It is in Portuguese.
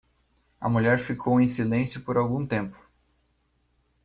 A mulher ficou em silêncio por algum tempo.